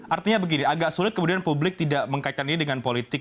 artinya begini agak sulit kemudian publik tidak mengkaitkan ini dengan politik